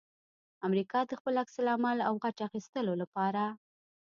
امریکا د خپل عکس العمل او غچ اخستلو لپاره